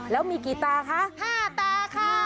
แล้วมีกี่ตาคะ๕ตาค่ะ